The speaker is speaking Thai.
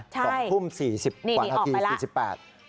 ใช่นี่ออกไปแรก